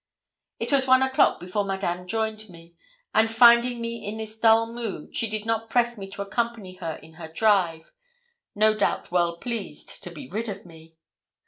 It was one o'clock before Madame joined me; and finding me in this dull mood, she did not press me to accompany her in her drive, no doubt well pleased to be rid of me.